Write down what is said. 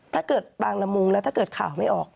ถ้าเกิดบางละมุงแล้วถ้าเกิดข่าวไม่ออก